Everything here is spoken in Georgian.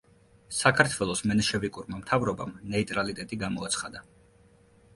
საქართველოს მენშევიკურმა მთავრობამ ნეიტრალიტეტი გამოაცხადა.